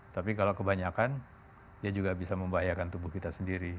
tapi kalau kebanyakan dia juga bisa membahayakan tubuh kita sendiri